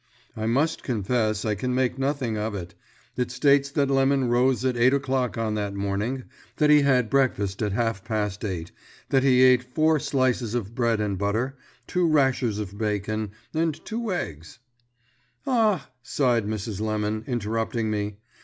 "I must confess I can make nothing of it. It states that Lemon rose at eight o'clock on that morning, that he had breakfast at half past eight, that he ate four slices of bread and butter, two rashers of bacon, and two eggs " "Ah!" sighed Mrs. Lemon, interrupting me.